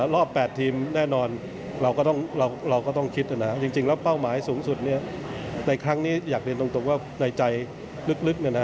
รอบ๘ทีมแน่นอนเราก็ต้องคิดจริงแล้วเป้าหมายสูงสุดในครั้งนี้อยากเรียนตรงว่าในใจลึก